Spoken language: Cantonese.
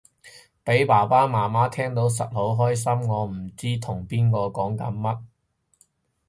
俾爸爸媽媽聽到實好擔心我唔知同邊個講緊乜